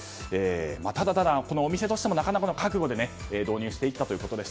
ただ、お店としてもなかなかな覚悟で導入していったということです。